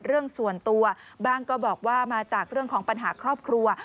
เรื่องส่วนตัวบ้างก็บอกว่ามาจากเรื่องของปัญหาครอบครัว